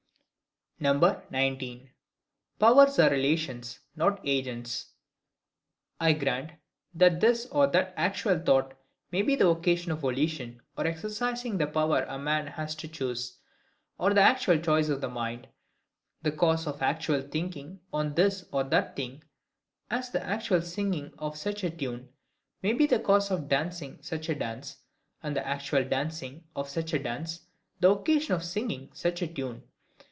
19. Powers are relations, not agents. I grant, that this or that actual thought may be the occasion of volition, or exercising the power a man has to choose; or the actual choice of the mind, the cause of actual thinking on this or that thing: as the actual singing of such a tune may be the cause of dancing such a dance, and the actual dancing of such a dance the occasion of singing such a tune.